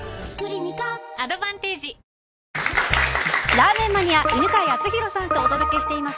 ラーメンマニア犬飼貴丈さんとお届けしています